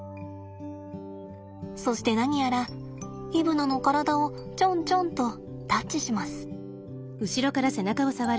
そして何やらイブナの体をチョンチョンとタッチします。